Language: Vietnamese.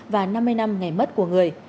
và năm mươi năm ngày mất của người